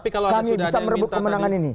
kami bisa merebut kemenangan ini